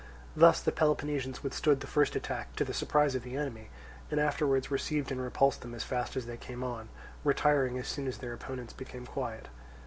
Thus the Peloponnesians withstood the first attack, to the surprise of the enemy, and afterwards received and repulsed them as fast as they came on, retiring as soon as their opponents became quiet.